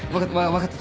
分かった。